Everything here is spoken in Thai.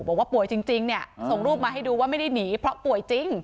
บอกว่าป่วยจริงเนี่ยส่งรูปมาให้ดูว่าไม่ได้หนีเพราะป่วยจริง